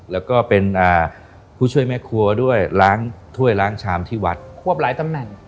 แล้วก็เป็นผู้ช่วยแม่ครัวด้วยล้างถ้วยล้างชามที่วัดควบหลายตำแหน่ง